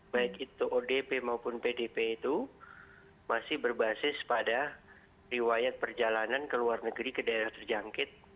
baik itu odp maupun pdp itu masih berbasis pada riwayat perjalanan ke luar negeri ke daerah terjangkit